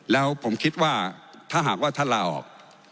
แล้วผมคิดว่าถ้าหากว่าท่านลาออก